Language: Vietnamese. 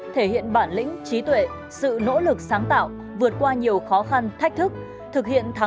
thể hiện bản lĩnh trí tuệ sự nỗ lực sáng tạo vượt qua nhiều khó khăn thách thức